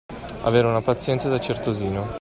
Avere una pazienza da certosino.